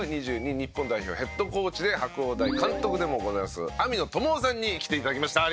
日本代表ヘッドコーチで白大監督でもございます網野友雄さんに来て頂きました。